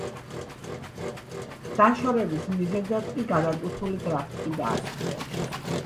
დაშორების მიზეზად კი გადატვირთული გრაფიკი დაასახელეს.